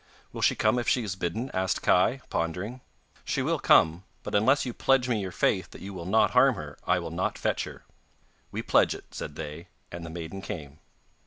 'Will she come if she is bidden?' asked Kai, pondering. 'She will come; but unless you pledge me your faith that you will not harm her I will not fetch her.' 'We pledge it,' said they, and the maiden came.